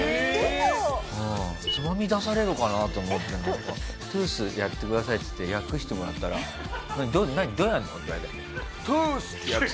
つまみ出されるかなと思ってなんか「トゥースやってください」っつって訳してもらったら「何？どうやるの？」って言われて「トゥース！」って。